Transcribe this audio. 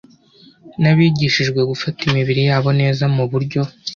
nabigishijwe gufata imibiri yabo neza mu buryo